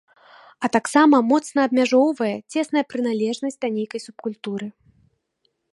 А таксама моцна абмяжоўвае цесная прыналежнасць да нейкай субкультуры.